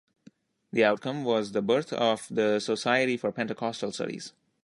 The outcome was the birth of the Society for Pentecostal Studies.